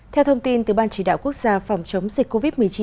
theo thông tin từ ban chỉ đạo quốc gia phòng chống dịch covid một mươi chín